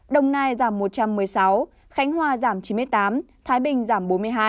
đồng nai giảm một trăm một mươi sáu khánh hòa giảm chín mươi tám thái bình giảm bốn mươi hai